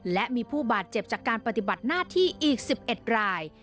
และมีผู้บาดเจ็บจากการปฏิบัติหน้าที่อีก๑๑ราย